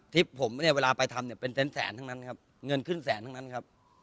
คลิปผมเนี่ยเวลาไปทำเนี่ยเป็นแสนแสนทั้งนั้นครับเงินขึ้นแสนทั้งนั้นครับ